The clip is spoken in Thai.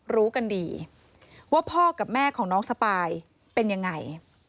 รู้กันดีว่าพ่อกับแม่ของน้องสปายเป็นยังไง